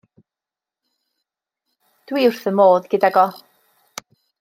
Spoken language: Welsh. Dw i wrth 'y modd gydag o.